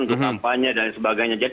untuk kampanye dan sebagainya